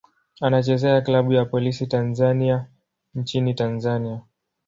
Anachezea klabu ya Polisi Tanzania nchini Tanzania.